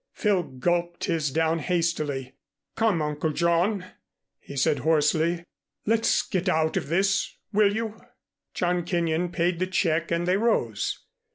Phil gulped his down hastily. "Come, Uncle John," he said hoarsely. "Let's get out of this, will you?" John Kenyon paid the check and they rose.